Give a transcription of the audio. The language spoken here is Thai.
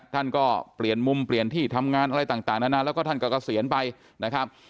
ท่านก็เปลี่ยนมุมเปลี่ยนที่ทำงานอะไรต่างนานาแล้วก็ท่านก็เกษียณไปนะครับ